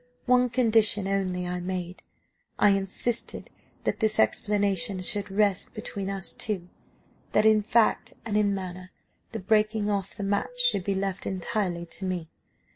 One condition only I made; I insisted that this explanation should rest between us two; that, in fact, and in manner, the breaking off the match should be left entirely to me.